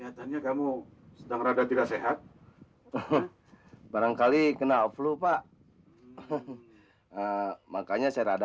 kelihatannya kamu sedang rada tidak sehat barangkali kena flu pak makanya saya ada